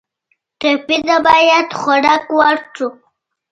ټپي ته باید خوراک ورکړو.